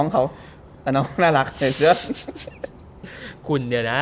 เห็นอยู่